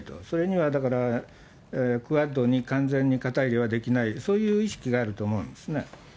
それにはだから、クアッドに完全に肩入れはできない、そういう意識があると思うんですね。